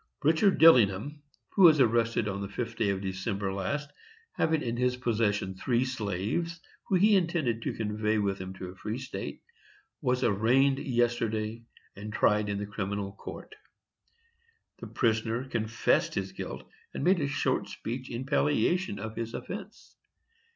"Richard Dillingham, who was arrested on the 5th day of December last, having in his possession three slaves whom he intended to convey with him to a free state, was arraigned yesterday and tried in the Criminal Court. The prisoner confessed his guilt, and made a short speech in palliation of his offence.